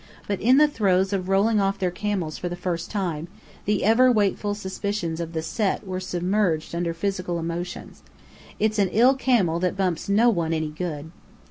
But in the throes of rolling off their camels for the first time, the ever wakeful suspicions of the Set were submerged under physical emotions. It's an ill camel that bumps no one any good!